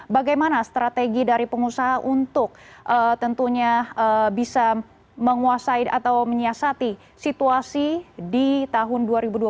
bagaimana strategi dari pengusaha untuk tentunya bisa menguasai atau menyiasati situasi di tahun dua ribu dua puluh